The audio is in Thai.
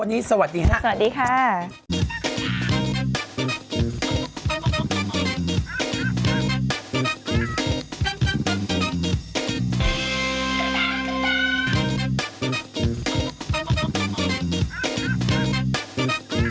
วันนี้สวัสดีค่ะสวัสดีค่ะ